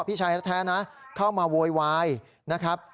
พี่ชายแท้นะเข้ามาโวยวายนะครับ